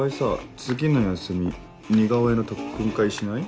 次の休み似顔絵の特訓会しない？